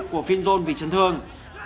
của finzone vì chân thương